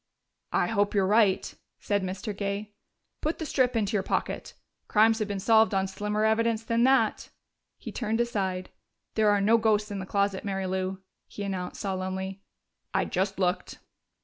"I hope you're right," said Mr. Gay. "Put the strip into your pocket. Crimes have been solved on slimmer evidence than that." He turned aside. "There are no ghosts in the closet, Mary Lou," he announced solemnly. "I just looked."